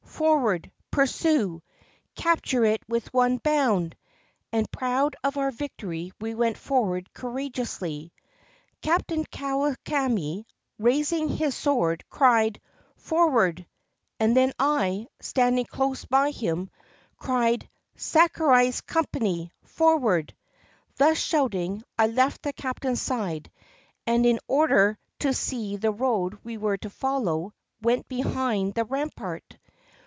Forward! Pursue! Capture it with one bound!" And, proud of our victory, we went forward courageously. Captain Kawakami, raising his sword, cried, "For ward!" and then I, standing close by liim, cried, "Sakurai's company, fon\'ard!" Thus shouting I left the captain's side, and, in order 453 JAPAN to see the road we were to follow, went behind the rampart.